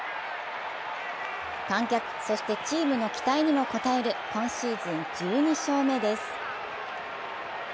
観客、そしてチームの期待にも応える今シーズン１２勝目です。